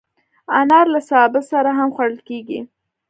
انار له سابه سره هم خوړل کېږي.